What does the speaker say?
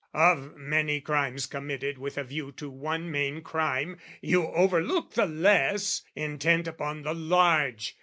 Of many crimes committed with a view To one main crime, you overlook the less, Intent upon the large.